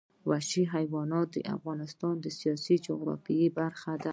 وحشي حیوانات د افغانستان د سیاسي جغرافیه برخه ده.